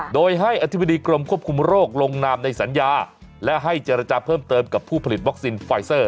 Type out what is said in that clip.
โดยให้อธิบดีกรมควบคุมโรคลงนามในสัญญาและให้เจรจาเพิ่มเติมกับผู้ผลิตวัคซีนไฟเซอร์